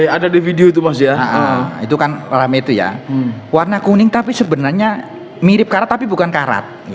ada di video itu mas ya itu kan rame itu ya warna kuning tapi sebenarnya mirip karat tapi bukan karat